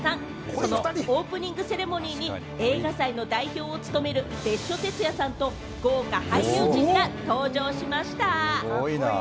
そのオープニングセレモニーに映画祭の代表を務める別所哲也さんと豪華俳優陣が登場しました。